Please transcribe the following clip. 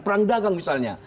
perang dagang misalnya